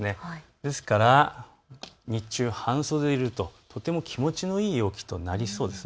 ですから日中、半袖でいると気持ちのいい陽気となりそうです。